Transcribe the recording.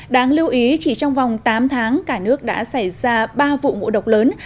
đáng lưu ý chỉ trong vòng tám tháng cả nước đã xảy ra ba vụ ngộ độc lớn